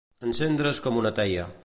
Encendre's com una teia.